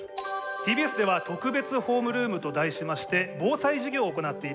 ＴＢＳでは「特別ホームルーム」と題しまして防災授業を行っています。